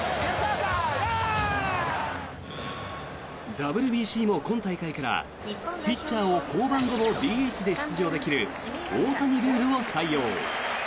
ＷＢＣも今大会からピッチャーの降板後もＤＨで出場できる大谷ルールを採用。